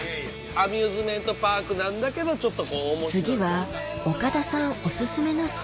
アミューズメントパークなんだけどちょっと。